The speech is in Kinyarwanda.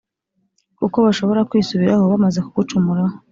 kuko bashobora kwisubiraho, bamaze kugucumuraho.